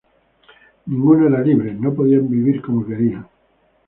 Ninguno era libre ni podía vivir como quería.